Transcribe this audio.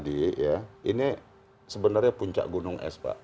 ini sebenarnya puncak gunung es pak